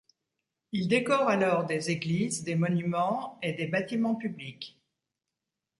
Il décore alors des églises, des monuments et des bâtiments publics.